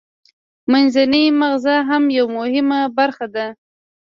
منځنی مغزه هم یوه مهمه برخه ده